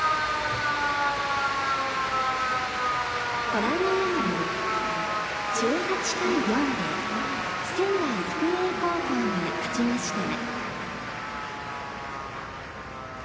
ご覧のように１８対４で仙台育英高校が勝ちました。